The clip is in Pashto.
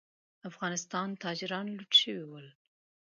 افغانستان تاجران لوټ شوي ول.